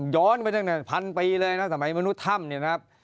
ย้อนไปตั้งแต่พันปีเลยนะสมัยมนุษย์ถ้ำเนี่ยนะครับ